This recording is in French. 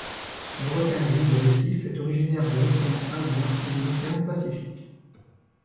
Le Requin gris de récif est originaire de l'océan Indien et de l'océan Pacifique.